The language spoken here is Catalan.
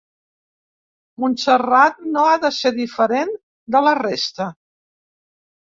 Montserrat no ha de ser diferent de la resta.